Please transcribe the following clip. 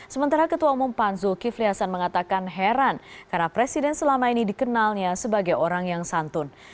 sementara ketua umum pan zulkifli hasan mengatakan heran karena presiden selama ini dikenalnya sebagai orang yang santun